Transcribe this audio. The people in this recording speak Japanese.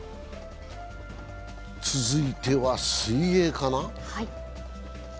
続いては水泳かな。